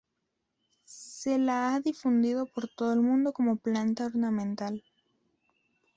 Se la ha difundido por todo el mundo como planta ornamental.